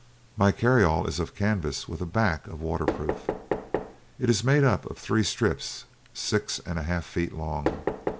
My carry all is of canvas with a back of waterproof. It is made up of three strips six and a half feet long.